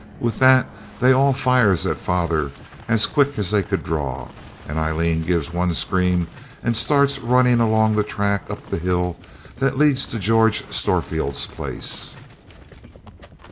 With that they all fires at father as quick as they could draw; and Aileen gives one scream and starts running along the track up the hill that leads to George Storefield's place.